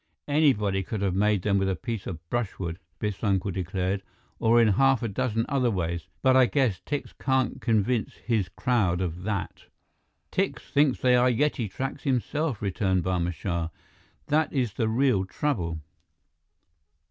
"Anybody could have made them with a piece of brushwood," Biff's uncle declared, "or in half a dozen other ways. But I guess Tikse can't convince his crowd of that." "Tikse thinks they are Yeti tracks himself," returned Barma Shah. "That is the real trouble."